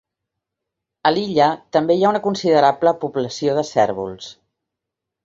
A l'illa també hi ha una considerable població de cérvols.